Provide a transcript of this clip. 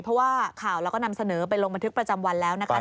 เพราะว่าข่าวเราก็นำเสนอไปลงบันทึกประจำวันแล้วนะคะ